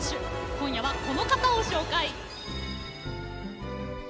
今夜はこの方を紹介。